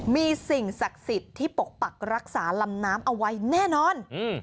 มีสิ่งศักดิ์สิทธิ์ที่ปกปักรักษาลำน้ำเอาไว้แน่นอน